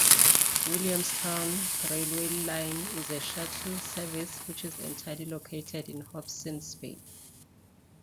Williamstown railway line is a shuttle service which is entirely located in Hobsons Bay.